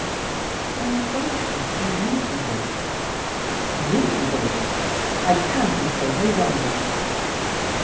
"I advise you to be reasonable." "Reasonable! I can be so no longer."